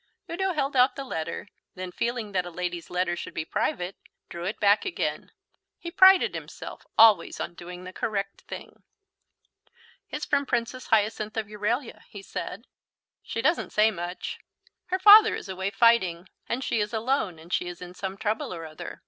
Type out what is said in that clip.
Udo held out the letter; then feeling that a lady's letter should be private, drew it back again. He prided himself always on doing the correct thing. "It's from Princess Hyacinth of Euralia," he said; "she doesn't say much. Her father is away fighting, and she is alone and she is in some trouble or other.